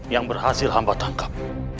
yang berhasil hamba tangkap